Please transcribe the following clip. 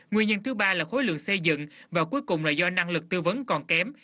nguyên nhân thứ ba là khối lượng xây dựng và cuối cùng là do năng lực tư vấn còn kém